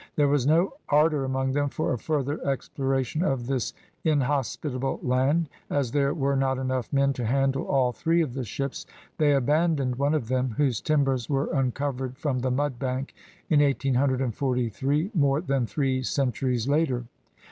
There was no ardor among them for a further exploration of this inhospitable land. As there were not enough men to handle all three of the ships, they abandoned one of them, whose timbers were uncovered from the mudbank in 1843, more than three centuries later.